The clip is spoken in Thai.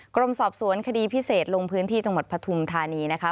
กรมสอบสวนคดีพิเศษลงพื้นที่จังหวัดปฐุมธานีนะคะ